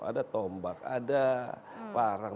ada tombak ada parang